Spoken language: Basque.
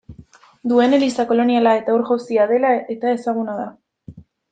Duen eliza koloniala eta ur-jauzia dela eta ezaguna da.